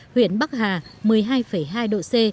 huyện bắc hà một mươi hai hai độ c